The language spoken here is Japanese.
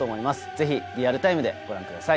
ぜひリアルタイムでご覧ください